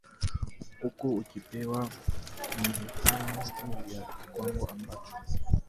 huku kukiwepo mivutano juu ya kiwango ambacho